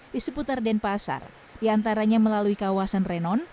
di seputar denpasar diantaranya melalui kawasan renon